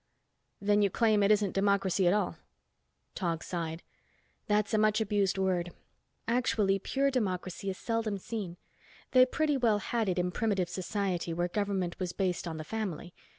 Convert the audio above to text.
"Then you claim it isn't democracy at all?" Tog sighed. "That's a much abused word. Actually, pure democracy is seldom seen. They pretty well had it in primitive society where government was based on the family.